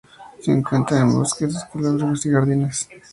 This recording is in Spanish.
Se encuentran en bosques esclerófilos y jardines.